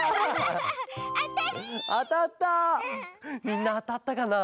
みんなあたったかな？